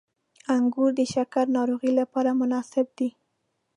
• انګور د شکرې ناروغۍ لپاره مناسب دي.